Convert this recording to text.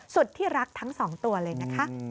สุดที่รักทั้งสองตัวเลยนะคะ